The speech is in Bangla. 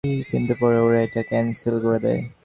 কিন্তু, পরে ওরা এটা ক্যান্সেল করে দেয়!